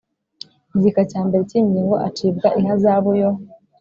igika cya mbere cy’iyi ngingo acibwa ihazabu yo